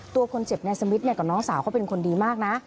ตัวคนเจ็บในสมิทกับน้องสาวเขาเป็นคนดีมากนะ